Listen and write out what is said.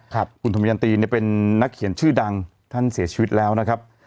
คุณธมยันตีเนี่ยเป็นนักเขียนชื่อดังท่านเสียชีวิตแล้วนะครับ